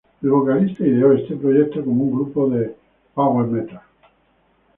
El vocalista ideó este proyecto como un grupo de power metal.